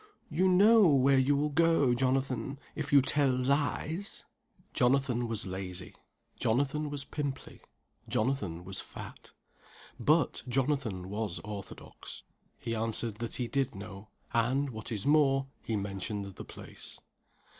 "You know where you will go, Jonathan, if you tell lies!" Jonathan was lazy, Jonathan was pimply, Jonathan was fat but Jonathan was orthodox. He answered that he did know; and, what is more, he mentioned the place.